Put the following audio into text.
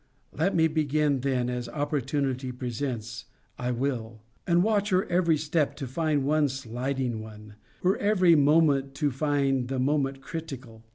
Let me begin then, as opportunity presents I will; and watch her every step to find one sliding one; her every moment to find the moment critical.